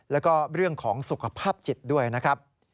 แล้วก็เรื่องของสุขภาพจิตด้วยนะครับ